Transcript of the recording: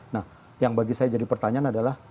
nah yang bagi saya jadi pertanyaan adalah